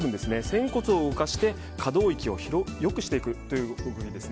仙骨を動かして、可動域を良くしていくという部分です。